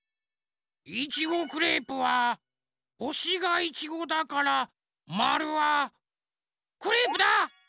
いちごクレープはほしがいちごだからまるはクレープだ！